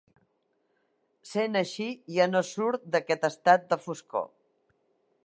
Sent així, ja no surt d'aquest estat de foscor.